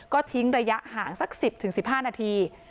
ก็ทิ้งระยะห่างสัก๑๐๑๕นาที